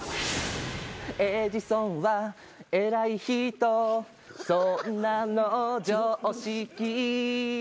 「エジソンはえらい人そんなの常識」